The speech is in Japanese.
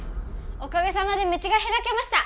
おかげさまで道がひらけました！